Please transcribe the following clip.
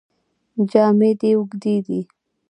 جامې دې اوږدې دي.